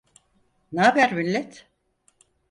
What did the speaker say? N'aber millet?